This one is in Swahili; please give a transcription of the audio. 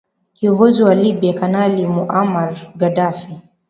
kiongozi wa libya kanali muammar gaddafi